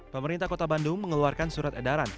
pemerintah kota bandung mengeluarkan surat edaran